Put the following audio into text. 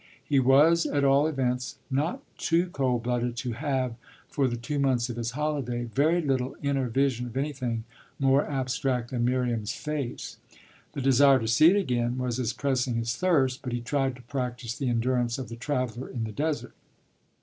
He was at all events not too cold blooded to have, for the two months of his holiday, very little inner vision of anything more abstract than Miriam's face. The desire to see it again was as pressing as thirst, but he tried to practise the endurance of the traveller in the desert.